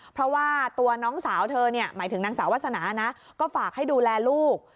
เพราะว่าตัวน้องสาวเธอเนี่ยหมายถึงนางสาววาสนานะก็ฝากให้ดูแลลูก